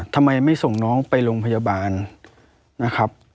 ทำไมไม่ส่งน้องไปโรงพยาบาลนะครับ